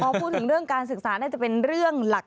พอพูดถึงเรื่องการศึกษาน่าจะเป็นเรื่องหลัก